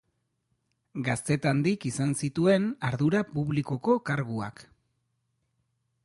Gaztetandik izan zituen ardura publikoko karguak.